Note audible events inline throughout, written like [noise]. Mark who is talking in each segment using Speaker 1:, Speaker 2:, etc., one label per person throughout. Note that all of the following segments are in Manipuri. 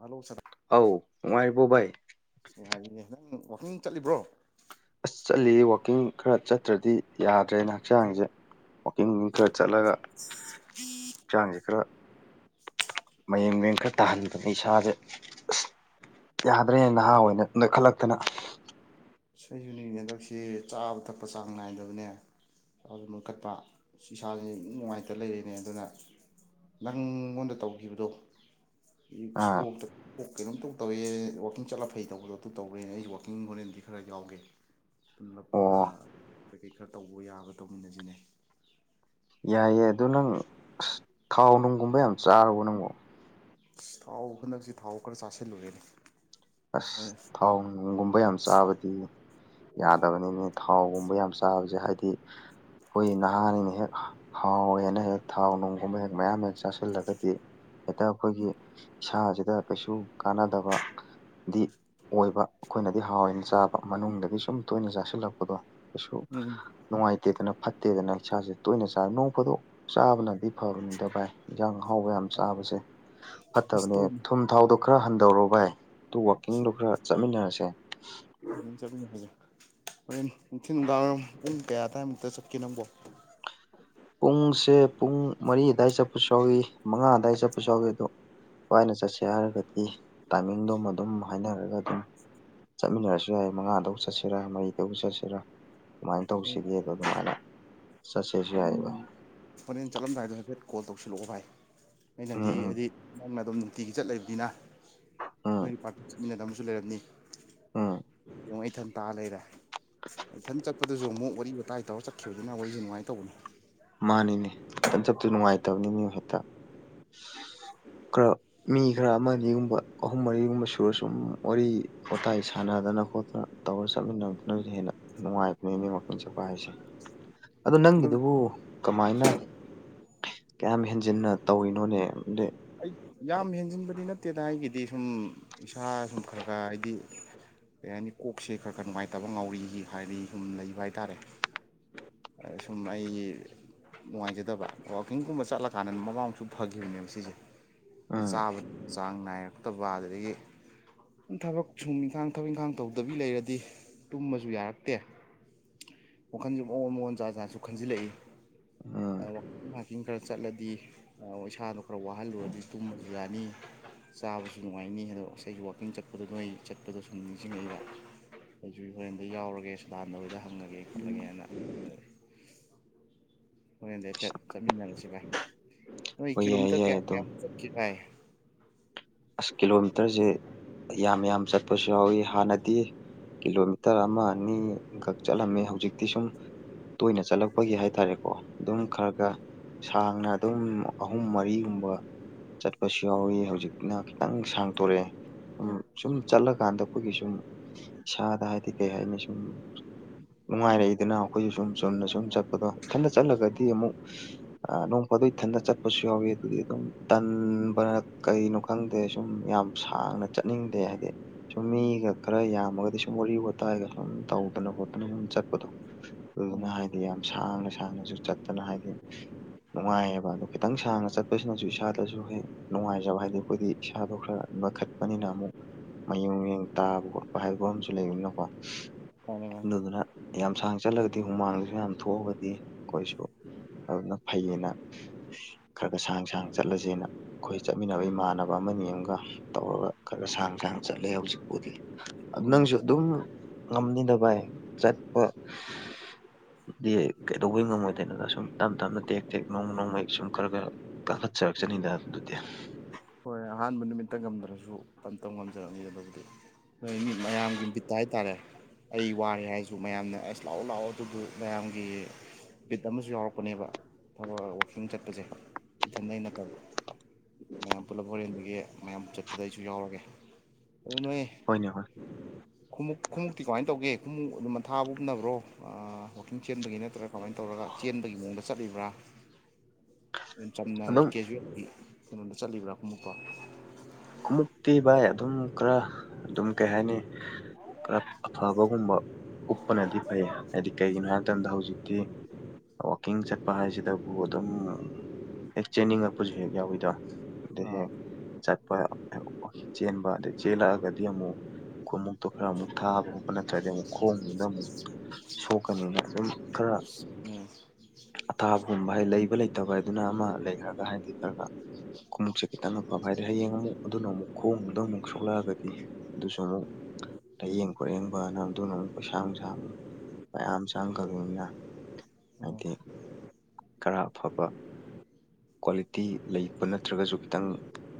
Speaker 1: ꯍꯂꯣ
Speaker 2: ꯑꯧ ꯅꯨꯡꯉꯥꯏꯔꯤꯕꯣ ꯚꯥꯏ
Speaker 1: ꯁꯉꯅꯦ ꯋꯥꯋꯥꯛꯀꯤꯡ ꯆꯠꯂꯤꯕ꯭ꯔꯣ
Speaker 2: ꯑꯁ ꯆꯠꯂꯤ ꯋꯥꯛꯀꯤꯡ ꯈꯔ ꯆꯠꯇ꯭ꯔꯗꯤ ꯌꯥꯗ꯭ꯔꯦꯅ ꯍꯛꯆꯥꯡꯁꯦ ꯋꯥꯋꯥꯛꯀꯤꯡ ꯡ ꯈꯔ ꯆꯠꯂꯒ ꯆꯥꯡꯖ ꯈꯔ ꯃꯌꯦꯡ ꯃꯡ ꯈꯔ ꯇꯥꯍꯟꯗꯅ ꯏꯁꯥꯁꯦ ꯑꯁ ꯌꯥꯗ꯭ꯔꯦ ꯅꯍꯥ ꯍ ꯑꯣꯏꯅ ꯑꯗ ꯈꯜꯂꯛꯇꯅ
Speaker 1: ꯏꯁꯩꯁꯨꯅꯦ ꯍꯟꯗꯛꯁ ꯆꯥꯕ ꯊꯛꯄ ꯆꯥꯡ ꯅꯥꯏꯗꯕꯅꯦ ꯃ ꯀꯠꯄ ꯏꯁꯥꯥꯁꯦ ꯅꯨꯡꯉꯥꯏꯇ ꯂꯩꯔꯤꯅꯦ ꯑꯗꯨꯅ ꯅꯪꯉꯣꯟꯗ ꯇꯧꯈꯤꯕꯗꯣ
Speaker 2: ꯑꯥ
Speaker 1: ꯏꯁꯄꯣꯛꯇ ꯀꯩꯅꯣꯝꯇꯧ ꯇꯧꯏꯦ ꯋꯥꯋꯀꯤꯡ ꯆꯠꯂ ꯐꯩ ꯇꯧꯕꯗꯣ ꯑꯗꯨ ꯇꯧꯔꯦꯅꯦ ꯑꯩꯁ ꯋꯥꯀꯤꯡ ꯍꯣꯔꯦꯟꯗꯤ ꯈꯔ ꯌꯥꯎꯒꯦ ꯄꯨꯝꯂꯞ
Speaker 2: ꯑꯣ
Speaker 1: ꯈꯔ ꯀꯩꯀꯩ ꯈꯔ ꯇꯧꯕ ꯌꯥꯕ ꯇꯧꯃꯤꯟꯅꯁꯤꯅꯦ
Speaker 2: ꯌꯥꯏꯌꯦꯦ ꯑꯗꯣ ꯅꯪ ꯑ ꯊꯥꯎ ꯅꯨꯡꯒꯨꯝꯕ ꯌꯥꯝ ꯆꯥꯔꯨꯔꯕꯣ ꯅꯪꯕꯣ
Speaker 1: ꯊꯥꯎ ꯍꯟꯗꯛꯁꯤ ꯊꯥꯎ ꯈꯔ ꯆꯥꯁꯤꯜꯂꯨꯔꯦꯅꯦ
Speaker 2: ꯑꯁ ꯊꯥꯎ ꯅꯨꯡꯒꯨꯝꯕ ꯌꯥꯝ ꯆꯥꯕꯗꯤ ꯌꯥꯗꯕꯅꯤꯅꯦ ꯊꯥꯎꯒꯨꯝꯕ ꯌꯥꯝ ꯆꯥꯕꯁꯦ ꯍꯥꯏ
Speaker 1: [unintelligible]
Speaker 2: ꯑꯩꯈꯣꯏ ꯅꯍꯥꯅꯤꯅ ꯍꯦꯛ ꯍꯥꯎꯋꯦꯅ ꯍꯦꯛ ꯊꯥꯎ ꯅꯨꯡꯒꯨꯝꯕ ꯍꯦꯛ ꯃꯌꯥꯝ ꯍꯦꯛ ꯆꯥꯁꯤꯜꯂꯒꯗꯤ ꯍꯦꯛꯇ ꯑꯩꯈꯣꯏꯒꯤ ꯏꯁꯥꯁꯤꯗ ꯀꯩꯁꯨ ꯀꯥꯟꯅꯗꯕ ꯗꯤ ꯑꯣꯏꯕ ꯑꯩꯈꯣꯏꯅꯗꯤ ꯍꯥꯎꯏꯅ ꯆꯥꯕ ꯃꯅꯨꯡꯗꯒꯤ ꯁꯨꯝ ꯇꯣꯏꯅ ꯆꯥꯁꯤꯜꯂꯛꯄꯗꯣ ꯀꯁꯨ
Speaker 1: ꯎꯝ
Speaker 2: ꯅꯨꯡꯉꯥꯏꯇ ꯐꯠꯇꯦꯗꯅ ꯐꯠꯇꯦꯗꯅ ꯏꯁꯥꯁꯦ ꯇꯣꯏꯅ ꯆꯥꯕ ꯅꯣꯡ ꯐꯗꯣꯛ ꯆꯥꯕꯅꯗꯤ ꯐꯕꯅꯤꯗ ꯚꯥꯏ ꯌꯦꯟꯖꯥꯡ ꯍꯥꯎꯕ ꯌꯥꯝ ꯁꯥꯕꯁꯦ
Speaker 1: ꯑꯁ
Speaker 2: ꯐꯠꯇꯕꯅꯦ
Speaker 1: ꯇꯣꯏꯅꯤ
Speaker 2: ꯊꯨꯝ ꯊꯥꯎꯗꯣ ꯈꯔ ꯍꯟꯊꯧꯔꯣ ꯚꯥꯏ ꯑꯗꯨ ꯋꯥꯛꯀꯤꯡꯗꯣ ꯈꯔ ꯆꯠꯃꯤꯟꯅꯔꯁꯦ
Speaker 1: ꯍ ꯆꯠ ꯑꯗꯨ ꯍꯥꯏꯖ ꯣꯔ ꯅꯨꯡꯊꯤꯟ ꯅꯨꯡꯗꯥꯡꯋꯥꯏꯝ ꯄꯨꯡ ꯀꯌꯥ ꯑꯗꯋꯥꯏꯃꯨꯛꯇ ꯆꯠꯀꯦ ꯅꯪꯕꯣ
Speaker 2: ꯄꯨꯡꯁꯦ ꯄꯨꯡ ꯃꯔꯤ ꯑꯗꯨꯋꯥꯏ ꯆꯠꯄꯁꯨ ꯌꯥꯎꯏ ꯃꯉꯥ ꯑꯗꯨꯋꯥꯏ ꯆꯠꯄꯁꯨ ꯌꯥꯎꯏ ꯑꯗꯣ ꯀꯏꯅ ꯆꯠꯁꯦ ꯍꯥꯏꯔꯒꯗꯤ ꯇꯥꯏꯃꯤꯡꯗꯣꯝ ꯑꯗꯨꯝ ꯍꯥꯏꯅꯔꯒ ꯑꯗꯨꯝ ꯆꯠꯃꯤꯟꯅꯔꯁꯨ ꯌꯥꯏ ꯃꯉꯥꯗꯕꯨ ꯆꯠꯁꯤꯔꯥ ꯃꯔꯤꯗꯧ ꯆꯠꯁꯤꯔꯥ ꯀꯃꯥꯏꯅ ꯇꯧꯁꯤꯒꯦꯗ ꯑꯗꯨꯃꯥꯏꯅ ꯆꯠꯁꯦꯁꯨ ꯌꯥꯏꯕ
Speaker 1: ꯍꯣꯔꯦꯟ ꯆꯠꯂꯝꯗꯥꯏꯗꯣ ꯍꯥꯏꯐꯦꯠ ꯀꯣꯜ ꯇꯧꯁꯤꯜꯂꯛꯑꯣ ꯚꯥꯏ
Speaker 2: ꯎꯝ
Speaker 1: ꯑꯩꯅꯗꯤ
Speaker 2: ꯎꯝ
Speaker 1: ꯍꯥꯏꯗꯤ ꯅꯪꯅ ꯑꯗꯨꯝ ꯅꯨꯡꯇꯤꯒꯤ ꯆꯠꯂꯕꯅꯤꯅ
Speaker 2: ꯎꯝ
Speaker 1: ꯅꯣꯏ ꯄꯥꯔꯇꯤ ꯆꯠꯃꯤꯟꯅꯗꯕꯨ ꯂꯩꯔꯝꯅꯤ
Speaker 2: ꯎꯝ
Speaker 1: ꯑꯗꯨ ꯏꯊꯟ ꯇꯥ ꯂꯩꯔꯦ ꯏꯊꯟ ꯆꯠꯄꯗꯁꯨ ꯑꯃꯨꯛ ꯋꯥꯔꯤ ꯋꯥꯇꯥꯏ ꯇꯧꯔ ꯆꯠꯄ ꯀꯈꯤꯕꯗꯨꯅ ꯑꯩꯈꯣꯏꯁꯦ ꯅꯨꯡꯉꯥꯏ ꯇꯧꯕꯅꯤ
Speaker 2: ꯃꯥꯅꯤꯅꯦꯟ ꯆꯞꯁꯨ ꯅꯨꯡꯉꯥꯏꯇꯕꯅꯤ ꯃꯤ ꯍꯦꯛꯇ ꯈꯔ ꯃꯤ ꯈꯔ ꯑꯃ ꯑꯅꯤꯒꯨꯝꯕ ꯑꯍꯨꯝ ꯃꯔꯤꯒꯨꯝꯕ ꯁꯨꯔ ꯁꯨꯝ ꯋꯥꯔꯤ ꯋꯥꯇꯥꯏ ꯁꯥꯟꯅꯗꯅ ꯐꯗꯅ ꯈꯣꯠꯇꯅ ꯇꯧꯔ ꯆꯠꯃꯤꯟꯅꯗꯨꯅꯁꯨ ꯍꯦꯟꯅ ꯅꯨꯡꯉꯥꯏꯕꯅꯦ ꯃꯤ ꯃꯪ ꯆꯠꯄ ꯍꯥꯏꯁꯦ
Speaker 1: [unintelligible]
Speaker 2: ꯑꯗꯨꯗꯣ ꯅꯪꯒꯤꯗꯨ ꯀꯃꯥꯏꯅ ꯀꯌꯥꯝ ꯍꯦꯟꯖꯤꯟꯅ ꯇꯧꯔꯤꯅꯣꯅꯦ
Speaker 1: ꯑꯩ ꯌꯥꯝ ꯍꯦꯟꯖꯤꯟꯕꯗꯤ ꯅꯠꯇꯦꯗ ꯑꯩꯒꯤꯗꯤ ꯁꯨꯝ ꯏꯁꯥ ꯁꯨꯝ ꯈꯔ ꯈꯔ ꯍꯥꯏꯗꯤ ꯀꯩ ꯍꯥꯏꯅꯤ ꯀꯣꯛꯁꯦ ꯈꯔ ꯈꯔ ꯅꯨꯡꯉꯥꯏꯇꯕ ꯉꯥꯎꯔꯤ ꯍꯥꯏꯔꯗꯤ ꯁꯨꯝ ꯂꯩꯕ ꯍꯥꯏꯇꯥꯔꯦ ꯑ ꯁꯨꯝ ꯑꯩ ꯅꯨꯡꯉꯥꯏꯖꯗꯕ ꯋꯥꯋꯥꯛꯀꯤꯡꯒꯨꯝꯕ ꯆꯠꯂꯀꯥꯟꯗ ꯃꯕꯥꯃꯁꯨ ꯐꯈꯤꯕꯅꯦꯕ ꯁꯤꯁꯦ
Speaker 2: ꯎꯝ
Speaker 1: ꯆꯥꯕ ꯆꯥꯡ ꯅꯥꯏꯔꯛꯇꯕ ꯑꯗꯨꯗꯒꯤ ꯊꯕꯛ ꯁꯨꯝ ꯏꯪꯈꯥꯡ ꯊꯕꯛ ꯏꯪꯈꯥꯡ ꯇꯧꯗꯕꯤ ꯂꯩꯔꯗꯤ ꯇꯨꯝꯃꯁꯨ ꯌꯥꯔꯛꯇꯦ ꯋꯥꯈꯟꯁꯨ ꯃꯑꯣꯣꯟ ꯃꯉꯣꯟ ꯆꯥꯖꯥꯁꯨ ꯈꯟꯖꯤꯜꯂꯛꯏ
Speaker 2: ꯎꯝ
Speaker 1: ꯍꯥꯏꯀꯤꯡ ꯈꯔ ꯆꯠꯂꯗꯤ ꯏꯁꯥꯗꯣ ꯈꯔ ꯋꯥꯍꯜꯂꯨꯔꯗꯤ ꯇꯨꯡ ꯌꯥꯅꯤ ꯆꯥꯕꯁꯨ ꯅꯨꯡꯉꯥꯏꯅꯤ ꯑꯗꯣ ꯉꯁꯥꯏꯒꯤ ꯋꯥꯛꯀꯤꯡ ꯆꯠꯄꯗꯣ ꯅꯣꯏ ꯆꯠꯄꯗ ꯁꯨꯝ ꯅꯤꯡꯁꯤꯡꯉꯕ ꯑꯩꯁꯨ ꯍꯣꯔꯦꯟꯗ ꯌꯥꯎꯔꯒꯦ ꯁꯗꯥꯟꯗꯣꯏꯗ ꯍꯪꯉꯒꯦ ꯈꯣꯠꯂꯒꯦ ꯍꯥꯏꯅ ꯈꯖꯒꯦ ꯍꯣꯔꯦꯟꯗꯤ ꯍꯥꯏꯐꯦꯠ ꯆꯠꯃꯤꯟꯅꯔꯁꯤ ꯚꯥꯏ
Speaker 2: ꯍꯣꯏ ꯌꯥꯏ
Speaker 1: ꯀꯤꯂꯣꯃꯤꯇꯔ
Speaker 2: ꯌꯥꯏ
Speaker 1: ꯀꯌꯥ
Speaker 2: ꯑꯗꯣ
Speaker 1: ꯀꯌꯥ ꯆ ꯀ
Speaker 2: ꯑꯁ ꯀꯤꯂꯣꯃꯤꯇꯔꯁꯦ ꯌꯥꯝ ꯌꯥꯝ ꯆꯠꯄꯁꯨ ꯌꯥꯎꯋꯤ ꯍꯥꯟꯅꯗꯤ ꯀꯤꯂꯣꯃꯤꯇꯔ ꯑꯃ ꯑꯅꯤꯈꯛ ꯆꯠꯂꯝꯃꯦ ꯍꯧꯖꯤꯛꯇꯤ ꯁꯨꯝ ꯇꯣꯏꯅ ꯆꯠꯂꯛꯄꯒꯤ ꯍꯥꯏ ꯇꯔꯦꯀꯣ ꯑꯗꯨꯝ ꯈꯔ ꯈꯔ ꯁꯥꯡꯅ ꯑꯗꯨꯝ ꯑꯍꯨꯝ ꯃꯔꯤꯒꯨꯝꯕ ꯆꯠꯄꯁꯨ ꯌꯥꯎꯋ ꯍꯧꯖꯤꯛ ꯅ ꯈꯤꯇꯪ ꯁꯥꯡꯇꯣꯔꯛꯑꯦ ꯁꯨꯝ ꯆꯠꯂꯀꯥꯟꯗ ꯑꯩꯈꯣꯏꯒꯤ ꯁꯨꯝ ꯏꯁꯥꯗ ꯍꯥꯏꯗꯤ ꯀꯩ ꯍꯥꯏꯅꯤ ꯁꯨꯝ ꯅꯨꯡꯉꯥꯏꯔꯛꯏꯗꯅ ꯑꯩꯈꯣꯏꯁꯨ ꯁꯨꯝ ꯆꯨꯝꯅ ꯁꯨꯝ ꯆꯠꯄꯗꯣ ꯏꯊꯟꯗ ꯆꯠꯂꯒꯗꯤ ꯑꯃꯨꯛ ꯅꯣꯡ ꯊꯟꯗ ꯆꯠ ꯄꯁꯨ ꯀ ꯈꯪꯗꯦ ꯁꯨꯝ ꯌꯥꯝ ꯁꯥꯡꯅ ꯆꯠꯅꯤꯡꯗꯦ ꯍꯥꯏꯗꯤ ꯁꯨꯝ ꯃꯤꯒ ꯈꯔ ꯌꯥꯝꯃꯒꯗꯤ ꯁꯨꯝ ꯋꯥꯔꯤ ꯋꯥꯇꯥꯏꯒ ꯁꯨꯝ ꯇꯧꯗꯅ ꯈꯣꯠꯇꯅ ꯑꯗꯨꯝ ꯆꯠꯄꯗꯣ ꯑꯗꯨꯅ
Speaker 1: ꯎꯝ
Speaker 2: ꯍꯥꯏꯗꯤ ꯌꯥꯝ ꯁꯥꯡꯅ ꯁꯥꯡꯅꯁꯨ ꯆꯠꯇꯅ ꯍꯥꯏꯗꯤ ꯅꯨꯡꯉꯥꯏꯌꯦꯕ ꯑꯗꯨ ꯈꯤꯇꯪ ꯁꯥꯡꯅ ꯆꯠꯄꯁꯤꯅꯁꯨ ꯏꯁꯥꯗꯁꯨ ꯍꯦꯛ ꯅꯨꯡꯉꯥꯏꯖꯕ ꯍꯥꯏꯗꯤ ꯑꯩꯈꯣꯏꯗꯤ ꯁꯥꯗ ꯈꯔ ꯃꯈꯠꯄꯅꯤꯅ ꯑꯃꯨꯛ ꯃꯌꯨꯡ ꯃꯌꯨꯡ ꯇꯥꯕ ꯈꯣꯠꯄ ꯍꯥꯏꯕ ꯑꯃꯁꯨ ꯂꯩꯕꯅꯤꯅꯀꯣ
Speaker 1: ꯑꯥ
Speaker 2: ꯑꯗꯨꯗꯨꯅ ꯌꯥꯝ ꯁꯥꯡ ꯆꯠꯂꯒꯗꯤ ꯍꯨꯃꯥꯡꯗꯨꯁꯨ ꯌꯥꯝ ꯊꯣꯛꯑꯒꯗꯤ ꯑꯩꯈꯣꯏꯁꯨ ꯑꯗꯨꯅ ꯐꯩꯌꯦꯅ ꯈꯔ ꯈꯔ ꯁꯥꯡ ꯁꯥꯡ ꯆꯠꯂꯁꯦꯅ ꯑꯩꯈꯣꯏ ꯆꯠꯃꯤꯟꯅꯕ ꯏꯃꯥꯟ ꯁꯥꯟꯅꯕ ꯑꯃꯅꯤ ꯑꯃꯒ ꯇꯧꯔꯒ ꯈꯔ ꯁꯥꯡ ꯁꯥꯡ ꯆꯠꯂꯦ ꯍꯧꯖꯤꯛꯄꯨꯗꯤ ꯑꯗꯨ
Speaker 1: ꯎꯝ
Speaker 2: ꯅꯪꯁꯨ ꯑꯗꯨꯝ ꯉꯝꯅꯤꯗꯕꯥꯏ ꯆꯠꯄ ꯀꯩꯗꯧꯕꯩ ꯉꯝꯃꯣꯏꯗꯣꯏꯅꯅ ꯁꯨꯝ ꯇꯞ ꯇꯞꯅ ꯇꯦꯛ ꯇꯦꯛ ꯅꯣꯡꯃ ꯅꯣꯡꯃꯒꯤ ꯁꯨꯝ ꯈꯔ ꯈꯔ ꯈꯠꯆ ꯍ ꯆꯅꯤꯗ ꯑꯗꯨꯗꯤ
Speaker 1: ꯍꯣꯏ ꯑꯍꯥꯟꯕ ꯅꯨꯃꯤꯠꯇ ꯉꯝꯗ꯭ꯔꯁꯨ ꯑꯝꯇꯧ ꯉꯝꯖꯔꯒꯦ ꯑꯗꯨꯗꯤ ꯍꯣꯏ ꯃꯤ ꯃꯌꯥꯝꯒꯤ ꯃꯤꯠꯇ ꯍꯥꯏꯇꯥꯔꯦ ꯑꯩ ꯋꯥꯔꯦ ꯍꯥꯏꯁꯨ ꯃꯌꯥꯝꯅ ꯑꯁ ꯂꯥꯛꯑꯣ ꯂꯥꯛꯑꯣ ꯑꯗꯨꯕꯨ ꯃꯌꯥꯝꯒꯤ ꯄꯤꯠ ꯑꯃꯁꯨ ꯌꯥꯎꯔꯛꯄꯅꯦꯕ ꯊꯕꯛ ꯋꯥꯛꯀꯤꯡ ꯆꯠꯄꯁꯦ ꯏꯊꯟꯗꯩꯅꯠꯇꯕ ꯃꯌꯥꯝ ꯄꯨꯂꯞ ꯍꯣꯔꯦꯟꯗꯒꯤ ꯃꯌꯥꯝ ꯆꯠꯄꯗ ꯑꯩꯁꯨ ꯌꯥꯎꯔꯒꯦ
Speaker 2: ꯍꯅꯦ ꯍ
Speaker 1: ꯈꯣꯡꯃꯨꯞ ꯈꯣꯡꯃꯨꯇꯤ ꯀꯃꯥꯏꯅ ꯇꯧꯒꯦ ꯈꯣꯡꯃꯨꯞ ꯑꯗꯨꯝ ꯃꯟꯊꯥꯕ ꯎꯞꯅꯕ꯭ꯔꯣ ꯋꯥꯛꯀꯤꯡ ꯆꯦꯟꯕꯒꯤ ꯅꯠꯇ꯭ꯔꯥ ꯀꯃꯥꯏꯅ ꯇꯧꯔ ꯃꯑꯣ ꯆꯠꯕ ꯆꯝꯅ
Speaker 2: ꯑꯗꯨꯝ
Speaker 1: ꯀꯦꯖꯦꯜꯒꯤ ꯀꯩꯅꯣꯗ ꯆꯠꯂꯤꯕ꯭ꯔꯥ ꯑꯃꯨꯛꯀꯣ
Speaker 2: ꯀꯃꯛꯇꯤ ꯚꯏ ꯑꯗꯨꯝ ꯈꯔ ꯑꯗꯨꯝ ꯀꯩ ꯍꯥꯏꯅꯤ ꯈꯔ ꯑꯐꯕꯒꯨꯝꯕ ꯎꯞꯄꯅꯗꯤ ꯐꯩ ꯍꯥꯏꯗꯤ ꯀꯩꯒꯤꯅꯣ ꯍꯥꯏꯕ ꯃꯇꯝꯗ ꯍꯧꯖꯤꯛꯇꯤ ꯋꯥꯀꯤꯡ ꯆꯠꯄ ꯍꯥꯏꯁꯤꯗꯕꯨ ꯑꯗꯨꯝ ꯑꯦꯛ ꯆꯦꯟꯅꯤꯡꯉꯛꯄꯁꯨ ꯍꯦꯛ ꯌꯥꯎꯋꯤꯗꯣ ꯑꯗꯩ
Speaker 1: ꯑꯥ
Speaker 2: ꯍꯦꯛ ꯆꯠ ꯆꯦꯟꯕ ꯑꯗ ꯆꯦꯜꯂꯛꯑꯒꯗꯤ ꯑꯃꯨꯛ ꯈꯣꯡꯃꯨꯛꯇꯨ ꯈꯔ ꯑꯃꯨꯛ ꯊꯥꯕ ꯈꯣꯠꯄ ꯅꯠꯇ꯭ꯔꯗꯤ ꯑꯃꯨꯛ ꯈꯣꯡꯉꯨꯅ ꯑꯃꯨꯛ ꯁꯣꯛꯀꯅꯤꯅ ꯑꯗꯨꯝ ꯈꯔ
Speaker 1: ꯎꯝ
Speaker 2: ꯑꯊꯥꯕꯒꯨꯝꯕ ꯍꯥꯏ ꯂꯩꯕ ꯂꯩꯇꯕ ꯍꯥꯏꯗꯨꯅ ꯑꯃ ꯂꯩꯈ꯭ꯔꯒ ꯍꯥꯏꯗꯤ ꯈꯔꯒ ꯀꯃꯨꯛꯁꯦ ꯀꯇꯪ ꯑꯐꯥꯕ ꯑꯃꯨꯛ ꯑꯗꯨꯅ ꯑꯃꯨꯛ ꯈꯣꯡꯗ ꯑꯃꯨꯛ ꯁꯣꯛꯂꯛꯑꯒꯗꯤ ꯑꯗꯨꯁꯨ ꯑꯃꯨꯛ ꯂꯥꯏꯌꯦꯡ ꯈꯣꯠꯌꯦꯡꯕꯅ ꯑꯗꯨꯅ ꯑꯃꯨꯛ ꯄꯩꯁꯥ ꯅꯨꯡꯁꯥ ꯑꯃꯨꯛ ꯃꯌꯥꯝ ꯆꯪꯈ꯭ꯔꯕꯅꯤꯅ
Speaker 1: ꯎꯝ
Speaker 2: ꯍꯥꯏꯗꯤ ꯈꯔ ꯑꯐꯕ ꯀ꯭ꯋꯥꯂꯤꯇꯤ ꯂꯩꯕ ꯅꯠꯇ꯭ꯔꯒꯁꯨ ꯈꯤꯇꯪ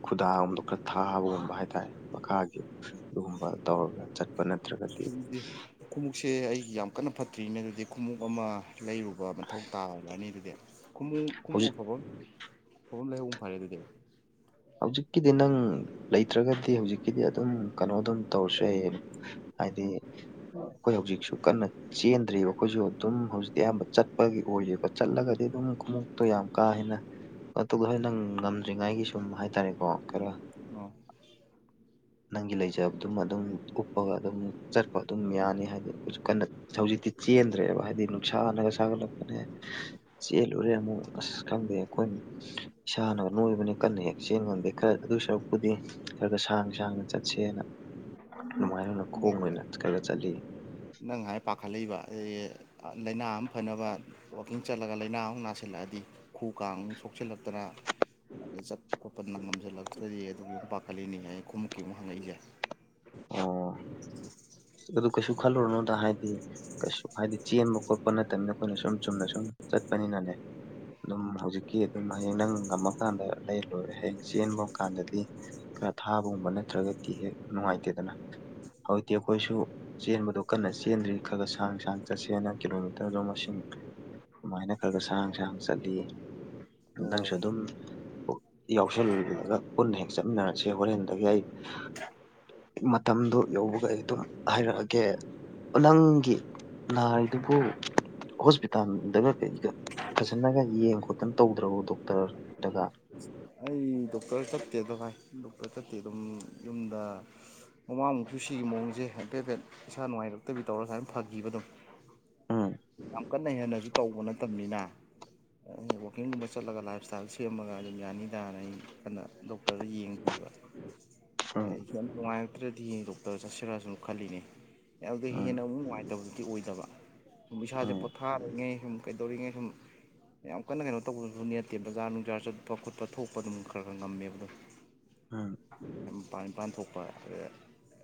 Speaker 2: ꯈꯨꯗꯥꯒꯨꯝꯕ ꯈꯔ ꯊꯥꯕꯒꯨꯝꯕ ꯍꯥꯏꯇꯥꯔꯦ ꯃꯈꯥꯒꯤ ꯑꯗꯨꯒꯨꯝꯕ ꯇꯧꯔꯒ ꯆꯠꯄ ꯅꯠꯇ꯭ꯔꯒ ꯗꯤ
Speaker 1: ꯑꯗꯨꯗꯤ ꯈꯣꯡꯎꯞꯁꯦ ꯑꯩꯒꯤ ꯌꯥꯝ ꯀꯟꯅ ꯐꯠꯇ꯭ꯔꯤꯅꯦ ꯑꯗꯨꯗꯤ ꯈꯣꯡꯎꯞ ꯑꯃ ꯂꯩꯔꯨꯕ ꯃꯊꯧ ꯇꯥꯕꯅꯤ ꯑꯗꯨꯗꯤ ꯈꯃꯨ ꯈꯃꯨ
Speaker 2: ꯍꯧꯖꯤꯛ
Speaker 1: ꯑꯐꯕ ꯑꯐꯕ ꯂꯩꯍꯧꯕ ꯐꯔꯦ ꯑꯗꯨꯗꯤ
Speaker 2: ꯍꯧꯖꯤꯛꯀꯤꯗꯤ ꯅꯪ ꯂ ꯂꯩ ꯅꯠꯇ꯭ꯔꯒꯗꯤ ꯍꯧꯖꯤꯛꯀꯤꯗꯤ ꯑꯗꯨꯝ ꯀꯩꯅꯣ ꯑꯗꯨꯝ ꯇꯧꯔꯁꯨ ꯌꯥ ꯍꯥꯏꯗꯤ ꯑꯩꯈꯣꯏ ꯍꯧꯖꯤꯛ ꯁꯨ ꯀꯟꯅ ꯆꯦꯟꯗ꯭ꯔꯤꯕ ꯑꯩꯈꯣꯏꯁꯨ ꯑꯗꯨꯝ ꯍꯧꯖꯤꯛꯇꯤ ꯑꯌꯥꯝꯕ ꯆꯠꯄꯒꯤ ꯑꯣꯏꯌꯦꯕ ꯆꯠꯂꯒꯗꯤ ꯑꯗꯨꯝ ꯈꯣꯡꯎꯞꯇꯣꯏ ꯌꯥꯝ ꯀꯥ ꯍꯦꯟꯅ ꯑꯗꯨꯗ ꯍꯣꯏ ꯅꯪ ꯉꯝꯗ꯭ꯔꯤꯉꯩꯒꯤ ꯁꯨꯝ ꯇꯔꯈ ꯋꯥꯔ
Speaker 1: ꯑꯣ [inaudible]
Speaker 2: ꯅꯪꯒꯤ ꯂꯩꯖꯕ ꯑꯗꯨꯝ ꯑꯗꯨꯝ ꯎꯞꯄꯒ ꯑꯗꯨꯝ ꯆꯠꯄ ꯑꯗꯨꯝ ꯌꯥꯅꯤ ꯍꯥꯏꯗꯤ ꯑꯩꯈꯣꯏ ꯀꯟꯅ ꯍꯧꯖꯤꯛꯇꯤ ꯆꯦꯟꯗ꯭ꯔꯦꯕ ꯍꯥꯏꯗꯤ ꯅꯨꯡꯁꯥꯅꯒ ꯁꯥꯒꯠꯂꯛꯄꯅꯦ ꯆꯦꯜꯂꯨꯔꯦ ꯑꯃꯨꯛ ꯑꯁ ꯈꯪꯗꯦꯏ ꯁꯥꯅꯒꯅꯣꯏꯕꯅꯦ ꯀ ꯆꯦꯟ ꯉꯝꯗꯦ ꯈꯔ ꯑꯗꯨ ꯁꯔꯨꯛꯄꯨꯗꯤ ꯈꯔꯗ ꯁꯥꯡ ꯁꯥꯡꯅ ꯆꯠꯁꯦꯅ ꯑꯗꯨꯃꯥꯏꯅ ꯑꯣꯏꯅ ꯈꯣꯡ ꯑꯣꯏꯅ ꯈꯔ ꯈ ꯆꯠꯂꯤ
Speaker 1: ꯅꯪ ꯍꯥꯏ ꯄꯥꯈꯠꯂꯛꯏꯕ ꯑꯩ ꯂꯥꯏꯅꯥ ꯑꯃ ꯐꯅꯕ ꯋꯥꯛꯀꯤꯡ ꯆꯠꯂꯒ ꯂꯥꯏꯅꯥ ꯑꯃꯨꯛ ꯅꯥꯁꯤꯜꯂꯛꯑ ꯍꯥꯏꯗꯤ ꯈꯨ ꯀꯥꯡ ꯁꯣꯛꯆꯤꯜꯂꯛꯇꯅ ꯑ ꯆꯠꯄ ꯈꯣꯠꯄ ꯅꯪ ꯉꯝꯁꯤꯜꯂꯛꯇ꯭ꯔꯗꯤ ꯑꯗꯨꯒꯤ ꯄꯥꯈꯠꯂꯤꯅꯤ ꯍꯥꯏ ꯈꯨꯣꯡꯃꯛꯀꯤ ꯑꯃꯨꯛ ꯍꯪꯉꯛꯏꯁꯦ
Speaker 2: ꯑꯣ ꯑꯗꯨ ꯀꯩꯁꯨ ꯈꯜꯂꯨꯔꯨꯅꯨꯗ ꯍꯥꯏꯗꯤ ꯀꯩꯁꯨ ꯍꯥꯏꯗꯤ ꯆꯦꯟꯕ ꯈꯣꯠꯄ ꯅꯠꯇꯕꯅꯤꯅ ꯑꯩꯈꯣꯏꯅ ꯁꯨꯝ ꯆꯨꯝꯅ ꯁꯨꯝ ꯆꯠꯄꯅꯤꯅ ꯂꯩ ꯑꯗꯨꯝ ꯍꯧꯖꯤꯛꯀꯤ ꯑꯗꯨꯝ ꯍꯌꯦꯡ ꯅꯪ ꯉꯝꯃꯀꯥꯟꯗ ꯂꯩ ꯂꯣꯏꯔꯦ ꯍꯌꯦꯡ ꯆꯦꯟꯕ ꯀꯥꯟꯗꯗꯤ ꯈꯔ ꯊꯥꯕꯒꯨꯝꯕ ꯅꯠꯇ꯭ꯔꯒꯗꯤ ꯍꯦꯛ ꯅꯨꯡꯉꯥꯏꯇꯦꯗꯅ ꯍꯧꯖꯤꯛꯇꯤ ꯑꯩꯈꯣꯏꯁꯨ ꯆꯦꯟꯕꯗ ꯀꯟꯅ ꯆꯦꯟꯗ꯭ꯔꯤ ꯈ ꯈ ꯁꯥꯡ ꯁꯥꯡ ꯆꯠꯁꯦꯅ ꯀꯤꯂꯣꯃꯤꯇꯔꯗꯣ ꯃꯁꯤꯡ
Speaker 1: ꯎꯝ
Speaker 2: ꯑꯗꯨꯃꯥꯏꯅ ꯈꯔ ꯈꯔ ꯁꯔꯥꯡ ꯁꯍꯥꯡ ꯆꯠꯂꯤ ꯅꯪꯁꯨ
Speaker 1: ꯑꯣ
Speaker 2: ꯑꯗꯨꯝ ꯌꯥꯎꯁꯜꯂꯂꯒ ꯄꯨꯟꯅ ꯍꯦꯛ ꯆꯠꯃꯤꯟꯅꯔꯁꯦ ꯍꯣꯔꯦꯟꯗꯒꯤ ꯑꯩ ꯃꯇꯝꯗꯨꯣ ꯌꯧꯕꯒ ꯑꯩ ꯑꯗꯨꯝ ꯍꯥꯏꯔꯛꯑꯒꯦ ꯅꯪꯒꯤ ꯅꯥꯔꯤꯗꯨꯕꯨ ꯍꯣꯁꯄꯤꯇꯥꯜꯗꯒ ꯀꯩꯒ ꯐꯖꯅꯒ ꯌꯦꯡ ꯈꯣꯠꯇꯅ ꯇꯧꯗ꯭ꯔꯕ ꯗꯣꯛꯇꯔꯗꯒ
Speaker 1: ꯑꯩ ꯗꯣꯛꯇꯔ ꯆꯠꯇꯦꯗꯚꯥꯏ ꯗꯣꯛꯇꯔ ꯆꯠꯇꯦ ꯑꯗꯨꯝ ꯌꯨꯝꯗ ꯃꯃꯥ ꯃꯨꯁꯨ ꯁꯤꯒꯤ ꯃꯑꯣꯡꯁꯦ ꯍꯥꯏꯐꯦ ꯍꯥꯏꯐꯦꯠ ꯏꯁꯥ ꯅꯨꯡꯉꯥꯏꯔꯛꯇꯕꯤ ꯇꯧꯔꯒ ꯁꯨꯃꯥꯏꯅ ꯐꯈꯤꯕ ꯑꯗꯨꯝ
Speaker 2: ꯎꯝ
Speaker 1: ꯌꯥꯝ ꯀꯟꯅ ꯍꯦꯟꯅꯁꯨ ꯇꯧꯕ ꯅꯠꯇꯕꯅꯤꯅ ꯑꯩ ꯋꯥꯛꯀꯤꯡꯒꯨꯝꯕ ꯆꯠꯂꯒ ꯂꯥꯏꯞ ꯏꯁꯇꯥꯏꯜ ꯁꯦꯝꯃꯒ ꯑꯗꯨꯝ ꯌꯥꯅꯤ ꯇꯥꯔꯅ ꯑꯩ ꯀꯅ ꯗꯣꯛꯇꯔꯗ ꯌꯦꯡꯈꯤꯕ ꯍ
Speaker 2: ꯎꯝ
Speaker 1: ꯑꯩ ꯌꯥꯝ ꯅꯨꯡꯉꯥꯏ ꯅꯠꯇ꯭ꯔꯗꯤ ꯍꯌꯦꯡ ꯗꯣꯛꯇꯔ ꯆꯠꯁꯤꯔꯁꯨ ꯑꯃ ꯈꯜꯂꯤꯅꯦ ꯑꯗꯨꯗ
Speaker 2: ꯎꯝ
Speaker 1: ꯍꯦꯟꯅ ꯑꯃꯨꯛ ꯅꯨꯡꯉꯥꯏꯇꯕꯗꯨꯗꯤ ꯑꯣꯏꯗꯕ ꯏꯁꯩꯥꯁꯦ
Speaker 2: ꯎꯝ
Speaker 1: ꯄꯣꯊꯥꯔꯤꯉꯩ ꯁꯨꯝ ꯀꯩꯗꯧꯔꯤꯉꯩ ꯁꯨꯝ ꯌꯥꯝ ꯀꯟꯅ ꯀꯩꯅꯣ ꯇꯧꯕꯁꯨ ꯅꯦꯠꯇꯦ ꯕꯖꯥꯔ ꯅꯨꯡꯖꯥꯔ ꯆꯠꯄ ꯈꯣꯠꯄ ꯊꯣꯛꯄ ꯑꯗꯨꯝ ꯈ ꯈꯔ ꯈꯔ
Speaker 2: ꯎꯝ
Speaker 1: ꯉꯝꯃꯦꯕꯗꯣꯄꯥꯟ ꯏꯄꯥꯟ ꯊꯣꯛꯄ ꯑ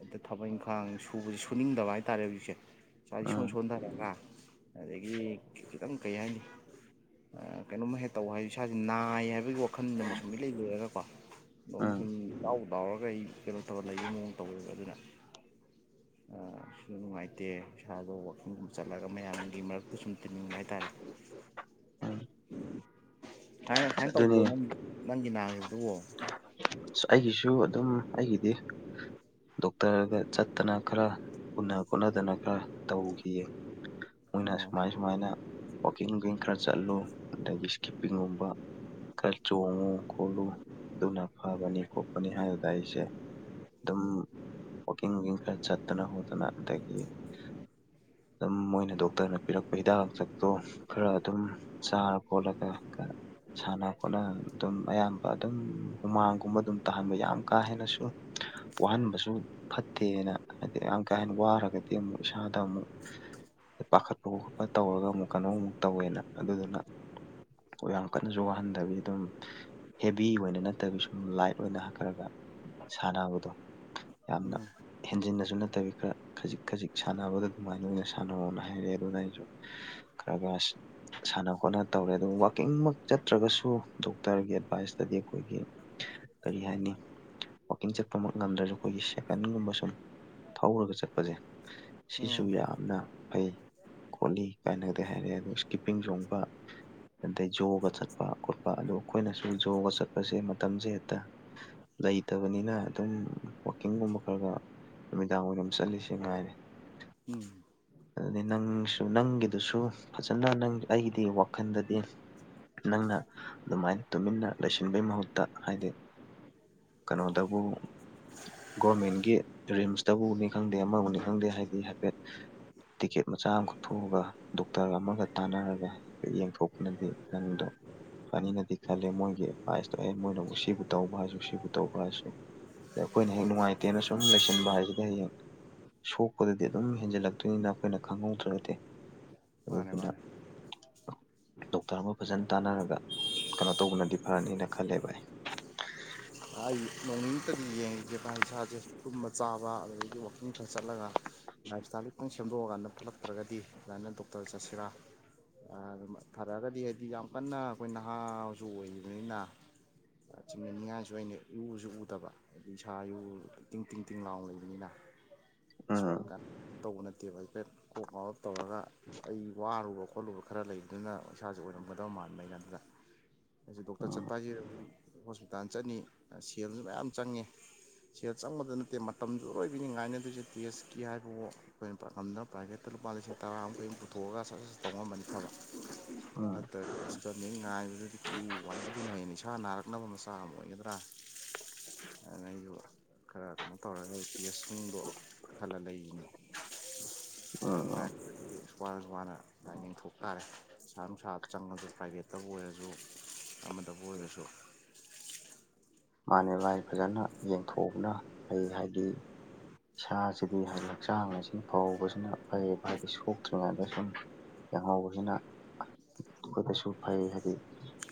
Speaker 1: ꯑꯗ ꯊꯕꯛ ꯏꯪꯈꯥꯡ ꯁꯨꯕꯁꯦ ꯁꯨꯅꯤꯡꯗꯕ ꯍꯥꯏꯇꯥꯔꯦ ꯍꯧꯖꯤꯛꯁꯦ ꯆꯗꯤ ꯁꯣꯟ
Speaker 2: ꯎꯝ
Speaker 1: ꯁꯣꯟꯊꯔꯒ ꯑꯗꯒꯤ ꯈꯤꯇꯪ ꯀꯩ ꯍꯥꯏꯅꯤ ꯀꯩꯅꯣꯃ ꯍꯦꯛ ꯇꯧ ꯍꯥꯏ ꯏꯁꯥꯁꯦ ꯅꯥꯏ ꯍꯥꯏꯕꯒꯤ ꯋꯥꯈꯜ ꯑꯃ ꯁꯃꯤꯠ ꯂꯩ ꯂꯣꯏꯔꯒꯀꯣ ꯑꯗꯣꯝꯗꯤ
Speaker 2: ꯎꯝ
Speaker 1: ꯁꯨꯝ ꯂꯎꯗꯥꯎꯔꯒ ꯑꯩ ꯀꯩꯅꯣ ꯇꯧꯔ ꯂꯩꯕꯒꯤ ꯃꯑꯣꯡ ꯇꯧꯋꯦꯕ ꯑꯗꯨꯅ ꯁꯤꯁꯨ ꯅꯨꯡꯉꯥꯏꯇꯦ ꯏꯁꯥꯗꯣ ꯋꯥꯛꯀꯤꯡꯒꯨꯝꯕ ꯆꯠꯂꯒ ꯃꯌꯥꯝꯒꯤ ꯃꯔꯛꯇꯨ ꯁꯨꯝ ꯇꯤꯟꯅꯤꯡꯕ ꯍꯥꯏꯇꯥꯔꯦ ꯎ
Speaker 2: ꯎꯝ
Speaker 1: ꯁꯨꯃꯥꯏꯅ ꯁꯨꯃꯥꯏꯅ
Speaker 2: ꯑꯗꯨꯅꯤ
Speaker 1: ꯇꯧꯕꯗꯣ ꯅꯪ ꯅꯪꯒꯤ ꯥꯡꯉꯤꯕꯗꯨꯕꯣ
Speaker 2: ꯑꯩꯒꯤꯁꯨ ꯑꯗꯨꯝ ꯑꯩꯒꯤꯗꯤ ꯗꯣꯛꯇꯔꯒ ꯆꯠꯇꯅ ꯈꯔ ꯎꯅ ꯈꯣꯠꯅꯗꯅ ꯈꯔ ꯇꯧꯈꯤꯌꯦ ꯎ
Speaker 1: ꯑꯣ
Speaker 2: ꯁꯃꯥꯏ ꯁꯨꯃꯥꯏꯅ ꯋꯥꯋꯥꯛꯀꯤꯡ ꯋꯀꯤꯡ ꯈꯔ ꯆꯠꯂꯨ ꯑꯗꯒꯤ ꯏꯁꯀꯤꯞꯄꯤꯡꯒꯨꯝꯕ ꯈꯔ ꯆꯣꯡꯉꯨ ꯈꯣꯂꯨꯗꯨꯅ ꯐꯕꯅꯤ ꯈꯣꯠꯄꯅꯤ ꯍꯥꯏꯕꯗ ꯑꯩꯁꯦ ꯑꯗꯨꯝ ꯋꯥꯋꯀꯤꯡ ꯋꯀꯤꯡ ꯈꯔ ꯆꯠꯇꯅ ꯈꯣꯠꯇꯅ ꯑꯗꯒꯤ
Speaker 1: ꯎ
Speaker 2: ꯑꯗꯨꯝ ꯃꯣꯏꯅ ꯗꯣꯛꯇꯔꯅ ꯄꯤꯔꯛꯄ ꯍꯤꯗꯥꯛ ꯂꯥꯡꯊꯛꯇꯣ ꯈꯔ ꯑꯗꯨꯝ ꯆꯥꯔ ꯈꯣꯠꯂꯒ ꯁꯥꯟꯅ ꯈꯣꯠꯅ ꯑꯗꯨꯝ ꯑꯌꯥꯝꯕ ꯑꯗꯨꯝ ꯍꯨꯃꯥꯡꯒꯨꯝꯕ ꯑꯗꯨꯝ ꯇꯥꯍꯟꯕ ꯌꯥꯝ ꯀꯥ ꯍꯦꯟꯅꯁꯨ ꯋꯥꯍꯟꯕꯁꯨ ꯐꯠꯇꯦꯅ ꯑꯪꯀꯅ ꯋꯥꯔꯒꯗꯤ ꯑꯃꯨꯛ ꯏꯁꯥꯗ ꯑꯃꯨꯛ ꯄꯥꯈꯠꯄ ꯈꯣꯈꯠꯄ ꯇꯧꯔꯒ ꯑꯃꯨꯛ ꯀꯩꯅꯣꯃꯨꯛ ꯇꯧꯋꯦꯅ ꯑꯗꯨꯗꯨꯅ ꯌꯥꯝ ꯀꯟꯅꯁꯨ ꯋꯥꯍꯟꯗꯕꯤ ꯑꯗꯨꯝ ꯍꯦꯚ ꯑꯣꯏꯅ ꯠꯇꯕꯤ ꯁꯨꯝ ꯂꯥꯏꯠ ꯑꯣꯏꯅ ꯍꯥꯞꯀꯠꯂꯒ ꯁꯥꯟꯅꯕꯗꯣ ꯌꯥꯝꯅ ꯍꯦꯟꯖꯤꯟꯅꯁꯨ ꯅꯠꯇꯕꯤ ꯈꯔ ꯈꯖꯤꯛ ꯈꯖꯤꯛ ꯁꯥꯟꯅꯕꯗ ꯑꯗꯨꯃꯥꯏꯅ ꯑꯣꯏꯅ ꯁꯥꯟꯅꯣꯅ ꯍꯥꯏꯔꯛꯑꯦ ꯑꯗꯨꯅ ꯑꯩꯁꯨ ꯈꯔ ꯈꯔ ꯁꯥꯟꯅ ꯈꯣꯠꯅ ꯇꯧꯔꯦ ꯑꯗꯨꯒ ꯋꯥꯋꯥꯛꯀꯤꯡꯃꯛ ꯆꯠꯇ꯭ꯔꯒꯁꯨ ꯗꯣꯛꯇꯔꯒꯤ ꯑꯦꯗꯚꯥꯏꯁ ꯗꯤ ꯑꯩꯈꯣꯏꯒꯤ ꯀꯔꯤ ꯍꯥꯏꯅꯤ ꯋꯥꯋꯀꯤꯡ ꯆꯠꯄꯃꯛ ꯉꯟꯗ꯭ꯔꯁꯨ ꯑꯩꯈꯣꯏꯒꯤ ꯁꯦꯀꯟꯒꯨꯝꯕ ꯁꯨꯝ ꯊꯧꯔꯒ ꯆꯠꯄꯁꯦ ꯁꯤꯁꯨ
Speaker 1: ꯑꯣ
Speaker 2: ꯌꯥꯝꯅ ꯐꯩ ꯈꯣꯠꯂꯤ ꯀꯥꯏꯅꯒꯗꯤ ꯍꯥꯏꯔꯛꯑꯦ ꯑꯗꯣ ꯏꯁꯀꯤꯞꯄꯤꯡ ꯆꯣꯡꯕ ꯑꯗꯩ ꯌꯣꯒ ꯆꯠꯄ ꯈꯣꯠꯄ ꯑꯗꯨꯗ ꯑꯩꯈꯣꯏꯅꯁꯨ ꯌꯣꯒ ꯆꯠꯄꯁꯦ ꯃꯇꯝꯁꯦ ꯍꯦꯛꯇ ꯂꯩꯇꯕꯅꯤꯅ ꯑꯗꯨꯝ ꯋꯥꯋꯀꯤꯡꯒꯨꯝꯕ ꯈꯔ ꯈ ꯅꯨꯃꯤꯗꯥꯡ ꯋꯥꯏꯔꯝ ꯆꯠꯂꯤꯁꯦ ꯉꯥꯏꯔꯦ
Speaker 1: ꯎꯝ
Speaker 2: ꯑꯗꯨꯗꯤ ꯅꯪꯁꯨ ꯅꯪꯒꯤꯗꯨꯁꯨ ꯐꯖꯅ ꯅꯪ ꯑꯩꯒꯤꯗꯤ ꯋꯥꯈꯜꯗꯗꯤ ꯅꯪꯅ ꯑꯗꯨꯃꯥꯏꯅ ꯇꯨꯃꯤꯟꯅ ꯂꯩꯁꯤꯟꯕꯩ ꯃꯍꯨꯠꯇ ꯍꯥꯏꯗꯤ ꯀꯩꯅꯣꯗꯕꯨ ꯒꯣꯔꯃꯦꯟꯒꯤ ꯔꯤꯝꯁꯇꯕꯨꯅꯤ ꯈꯪꯗꯦ ꯑꯃꯕꯨꯅꯤ ꯈꯪꯗꯦ ꯍꯥꯏꯗꯤ ꯍꯥꯏꯐꯦꯠ ꯇꯤꯀꯦꯠ ꯃꯆꯥ ꯑꯃꯈꯛ ꯊꯣꯛꯣꯛꯑꯒ ꯗꯣꯛꯇꯔ ꯑꯃꯒ ꯇꯥꯟꯅꯔꯒ ꯌꯦꯡꯊꯣꯛꯄꯅꯗꯤ ꯅꯪꯗꯣ ꯐꯅꯤꯅꯗꯤ ꯈꯜꯂꯦ ꯃꯣꯏꯒꯤ ꯑꯦꯗꯚꯥꯏꯁꯇꯣ ꯑꯦ ꯃꯣꯏꯅꯕꯨ ꯁꯤꯕꯨ ꯇꯧꯕ ꯍꯥꯏꯁꯨ ꯁꯤꯕꯨ ꯇꯧꯕ ꯍꯥꯏꯁꯨ ꯗ ꯑꯩꯈꯣꯏꯅ ꯍꯦꯛ ꯅꯨꯡꯉꯥꯏꯇꯦꯅ ꯁꯨꯝ ꯂꯩꯁꯤꯟꯕ ꯍꯥꯏꯁꯤꯗ ꯍꯌꯦꯡ ꯁꯣꯛꯄꯗꯗꯤ ꯑꯗꯨꯝ ꯍꯦꯟꯖꯜꯂꯛꯇꯣꯏꯅꯤꯅ ꯑꯩꯈꯣꯏꯅ ꯈꯪꯍꯧꯗ꯭ꯔ ꯅꯠꯇꯦ
Speaker 1: ꯃꯥꯅꯦ ꯃꯥꯅꯦ
Speaker 2: ꯗꯣꯛꯇꯔ ꯑꯃ ꯐꯖꯅ ꯇꯥꯟꯅꯔꯒ ꯀꯩꯅꯣ ꯇꯧꯕꯅꯗꯤ ꯐꯔꯅꯤꯅ ꯈꯜꯂꯦꯕ ꯑꯩ
Speaker 1: ꯑꯩ ꯅꯣꯡꯅꯤꯡꯇꯗꯤ ꯌꯦꯡꯉꯒꯦ ꯃꯥ ꯏꯁꯥꯁꯦ ꯇꯨꯝꯕ ꯆꯥꯕ ꯑꯗꯨꯗꯒꯤ ꯋꯥꯛꯀꯤꯡ ꯈꯔ ꯆꯠꯂꯒ ꯂꯥꯏꯞ ꯏꯁꯇꯥꯏꯜ ꯈꯤꯇꯪ ꯁꯦꯝꯗꯣꯛꯑꯀꯥꯟꯗ ꯊꯣꯛꯠꯂꯛꯇ꯭ꯔꯒꯗꯤ ꯑꯗꯨꯃꯥꯏꯅ ꯗꯣꯛꯇꯔ ꯆꯠꯁꯤꯔꯥ ꯐꯔꯛꯑꯒꯗꯤ ꯍꯥꯏꯗꯤ ꯌꯥꯝ ꯀꯟꯅ ꯑꯩꯈꯣꯏ ꯅꯍꯥꯁꯨ ꯑꯣꯏꯔꯤꯕꯅꯤꯅ ꯃꯤꯅꯤ ꯑꯗꯨꯗ ꯑꯩꯅ ꯏꯨꯁꯨ ꯎꯗꯕ ꯍꯥꯏ ꯏꯁꯥ ꯌꯨ ꯇꯤꯡ ꯇꯤꯡ ꯇꯤꯡ ꯂꯥꯎꯅ ꯂꯩꯕꯅꯤꯅ
Speaker 2: ꯎꯝ
Speaker 1: ꯁꯔꯀꯥ ꯇꯧꯕ ꯅꯠꯇꯦꯕ ꯍꯥꯏꯐꯦꯠ ꯀꯣꯛ ꯉꯥꯎꯔꯞ ꯇꯧꯔꯒ ꯑꯩ ꯋꯥꯔꯨꯕ ꯈꯣꯠꯂꯨꯕ ꯈꯔ ꯂꯩꯕꯗꯨꯅ ꯏꯁꯥꯥꯁ ꯑꯣꯏꯅꯝ ꯃꯥꯟꯕꯩꯅ ꯗꯇ
Speaker 2: ꯎꯝ
Speaker 1: ꯆꯠ ꯍ ꯆꯠꯅꯤ ꯁꯦꯜꯁꯨ ꯃꯌꯥꯝ ꯆꯪꯉꯦ ꯁꯦꯜ ꯆꯪꯕꯗ ꯅꯠꯇꯦ ꯃꯇꯝꯗꯨꯔꯣꯏꯕꯤꯅꯤ ꯉꯥꯏꯅꯗꯣꯏꯁꯦ ꯇꯦꯁꯀꯤ ꯍꯥꯏꯕꯕꯨ ꯑꯩꯈꯣꯏꯅ ꯄꯗꯝꯗ ꯄ꯭ꯔꯥꯏꯚꯦꯠꯇ ꯂꯩ ꯂꯨꯄꯥ ꯂꯤꯁꯤꯡ ꯇꯔꯥꯃꯨꯛꯩꯨ ꯄꯨꯊꯣꯛꯑꯒ ꯁꯛꯁꯦꯁ ꯇꯧꯉꯝꯃꯅꯤ ꯐꯕ
Speaker 2: ꯎꯝ
Speaker 1: ꯅꯠꯇ꯭ꯔꯒꯗ ꯃꯤ ꯉꯥꯏ ꯑꯗꯨꯗꯤ ꯀ꯭ꯌꯨ ꯋꯥꯗꯨꯗꯤ ꯍꯩꯅ ꯏꯁꯥ ꯅꯥꯔꯛꯅꯕ ꯃꯆꯥꯛ ꯑꯃ ꯑꯣꯏꯒꯗ꯭ꯔꯥ ꯑ ꯈꯔ ꯀꯩꯅꯣ ꯇꯧꯔꯒꯗꯤ ꯇꯦꯁꯁꯤꯡꯗꯣ ꯀ ꯍꯜꯂꯒ ꯂꯩꯔꯤꯅꯦ
Speaker 2: ꯎꯝ
Speaker 1: ꯅꯨꯡꯉꯥꯏ ꯁ ꯋꯥꯅꯁꯨ ꯋꯥꯅ ꯂꯥꯏ ꯌꯦꯡꯊꯣꯛ ꯇꯥꯔꯦ ꯏꯁꯁꯥ ꯅꯨꯡꯁꯥ ꯆꯪꯉꯁꯨ ꯄꯥꯏꯒꯠ ꯍꯦꯠꯇꯕꯨ ꯑꯣꯏꯔꯁꯨ ꯑꯃꯗꯕꯨ ꯑꯣꯏꯔꯁꯨ
Speaker 2: ꯃꯥꯅꯦ ꯃꯥꯥꯏ ꯐꯖꯅ ꯌꯦꯡꯊꯣꯛꯎꯅ ꯑꯩ ꯍꯥꯏꯗꯤ ꯏꯁꯥꯁꯤꯗꯤ ꯍꯥꯏꯗꯤ ꯍꯛꯆꯥꯡ ꯑꯁꯤꯅ ꯐꯧꯕꯕꯁꯤꯅ ꯐꯩꯌꯦꯕ ꯍꯥꯏꯗꯤ ꯁꯣꯛꯇ꯭ꯔꯤꯉꯩꯗ ꯁꯨꯝ ꯆꯥꯛꯍꯥꯎꯕꯁꯤꯅ ꯑꯩꯈꯣꯏ ꯀꯁꯨ ꯐꯩ ꯍꯥꯏꯗꯤ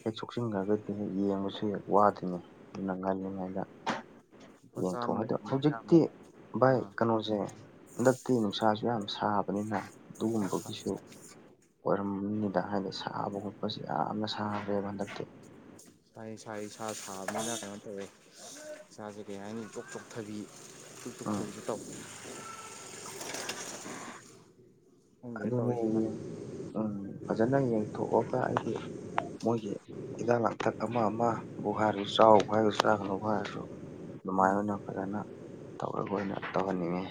Speaker 2: ꯍꯦꯛ ꯁꯣꯛꯆꯟꯈ꯭ꯔꯒꯗꯤ ꯍꯦꯛ ꯌꯦꯡꯕꯁꯨ ꯍꯦꯛ ꯋꯥꯗꯣꯏꯅꯤ ꯅꯪꯒꯜꯅꯤꯉꯥꯏꯗ
Speaker 1: ꯂꯨꯄꯥ ꯆꯥꯝꯃꯅ
Speaker 2: ꯌꯦꯡꯊꯣꯛꯑꯗꯣ
Speaker 1: ꯍꯤꯡꯕ ꯌꯥꯕ
Speaker 2: ꯍꯧꯖꯤꯛꯇꯤ ꯚꯥꯏ
Speaker 1: ꯑꯥ
Speaker 2: ꯀꯩꯅꯣꯁꯦ ꯍꯟꯗꯛꯇꯤ ꯅꯨꯡꯁꯥꯁꯨ ꯌꯥꯝ ꯁꯥꯕ ꯅ ꯑꯗꯨꯒꯨꯝꯕꯒꯤꯁꯨ ꯑꯣꯏꯔꯝ ꯗ ꯍꯥꯏꯗꯤ ꯁꯥꯕ ꯈꯣꯠꯄꯁꯤ ꯌꯥꯝꯅ ꯁꯥꯈ꯭ꯔꯦꯕ ꯍꯟꯗꯛꯇꯤ
Speaker 1: ꯏꯁ ꯏꯁ ꯏꯁ ꯁꯥꯕꯅꯤꯅ ꯀꯩꯅꯣ ꯇꯧꯋꯦ ꯏꯁꯥꯁꯦ ꯀꯩ ꯍꯥꯏꯅꯤ ꯀꯣꯛ ꯇꯣꯛꯊꯕꯤ ꯌꯨꯇꯨꯞ
Speaker 2: ꯎꯝ
Speaker 1: ꯊ ꯇ
Speaker 2: [inaudible]
Speaker 1: ꯈꯪꯗ꯭ꯔꯦ
Speaker 2: ꯑꯗꯨꯅꯦ
Speaker 1: ꯇꯧꯔꯤꯁꯦ
Speaker 2: ꯐꯖꯅ ꯌꯦꯡꯊꯣꯛꯑꯒ ꯑꯩꯗꯤ ꯃꯣꯏꯒꯤ ꯍꯤꯗꯥꯛ ꯂꯥꯡꯊꯛ ꯑꯃ ꯑꯃꯕꯨ ꯍꯥꯏꯔꯁꯨ ꯆꯥꯎꯕ ꯍꯥꯏꯔꯒꯁꯨ ꯆꯥꯒꯅꯧꯕ ꯍꯥꯏꯔꯁꯨ
Speaker 1: ꯎꯝ
Speaker 2: ꯑꯗꯨꯃꯥꯏꯅ ꯑꯣꯏꯅ ꯐꯖꯅ ꯇꯧꯔꯒ ꯑꯣꯏꯅ ꯇꯧꯍꯟꯅꯤꯡꯉꯤ